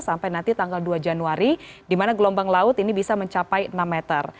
sampai tanggal dua januari dimana gelombang laut ini bisa mencapai enam meter